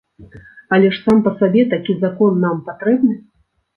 Але ж сам па сабе такі закон нам патрэбны?